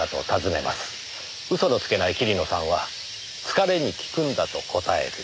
嘘のつけない桐野さんは疲れに効くんだと答える。